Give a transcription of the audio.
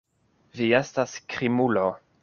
Vi estas krimulo.